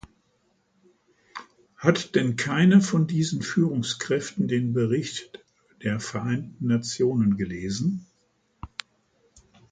Hat denn keiner von diesen Führungskräften den Bericht der Vereinten Nationen gelesen?